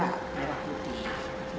nah pada saat itu ketersediaan bahan itu langka